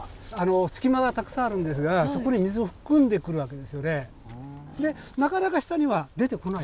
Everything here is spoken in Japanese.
隙間がたくさんあるんですがそこに水を含んでくるわけですよね。